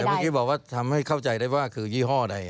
แต่เมื่อกี้บอกว่าทำให้เข้าใจได้ว่าคือยี่ห้อใด